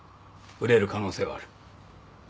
売れる可能性はある